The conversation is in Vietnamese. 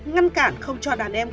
ngăn cản không cho đàn em khỏi khu vực